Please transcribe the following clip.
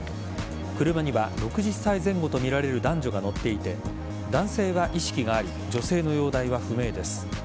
車には６０歳前後とみられる男女が乗っていて男性は意識があり女性の容体は不明です。